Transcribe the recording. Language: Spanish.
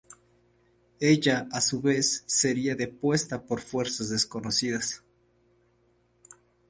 Ella, a su vez, sería depuesta por fuerzas desconocidas.